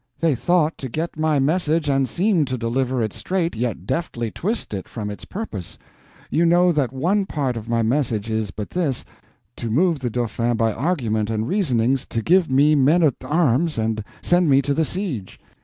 They thought to get my message and seem to deliver it straight, yet deftly twist it from its purpose. You know that one part of my message is but this—to move the Dauphin by argument and reasonings to give me men at arms and send me to the siege.